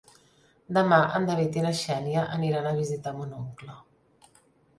Demà en David i na Xènia aniran a visitar mon oncle.